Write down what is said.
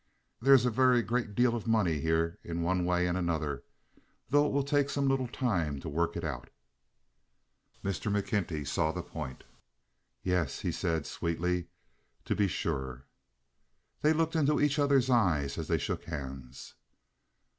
There is a very great deal of money here in one way and another, though it will take some little time to work it out." Mr. McKenty saw the point. "Yes," he said, sweetly, "to be sure." They looked into each other's eyes as they shook hands.